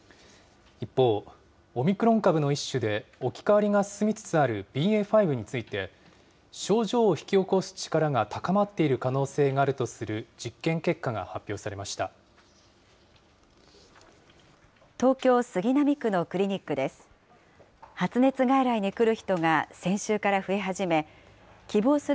一方、オミクロン株の一種で、置き換わりが進みつつあるＢＡ．５について、症状を引き起こす力が高まっている可能性があるとする実験結果が東京・杉並区のクリニックです。